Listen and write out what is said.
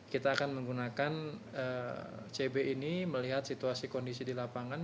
kita akan menggunakan cb ini melihat situasi kondisi di lapangan